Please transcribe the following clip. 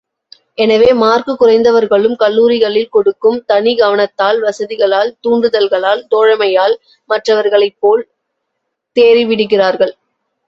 எனவே, மார்க்குக் குறைந்தவர்களும் கல்லூரிகளில் கொடுக்கும் தனிக் கவனத்தால், வசதிகளால், தூண்டுதல்களால், தோழமையால் மற்றவர்களைப்போல் தேறிவிடுகிறார்கள்.